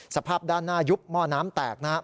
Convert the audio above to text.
สภาพด้านหน้ายุบหม้อน้ำแตกนะครับ